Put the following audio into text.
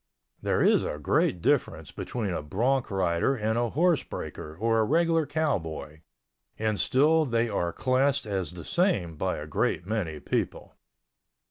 There is a great difference between a bronc rider and a horse breaker, or a regular cowboy—and still they are classed as the same by a great many people.